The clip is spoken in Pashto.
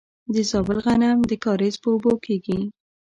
د زابل غنم د کاریز په اوبو کیږي.